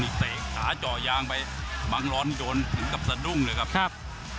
เตะขาเจาะยางไปบังร้อนโดนถึงกับสะดุ้งเลยครับครับ